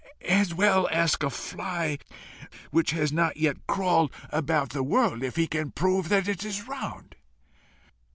As well ask a fly, which has not yet crawled about the world, if he can prove that it is round!"